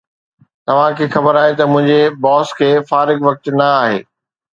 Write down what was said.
توهان کي خبر آهي ته منهنجي باس کي فارغ وقت نه آهي